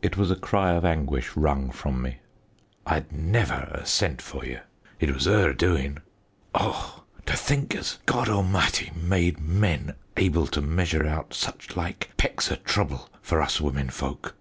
It was a cry of anguish wrung from me. "I'd never 'a sent for you it was her doin'. Oh, to think as God A'mighty's made men able to measure out such like pecks o' trouble for us womenfolk!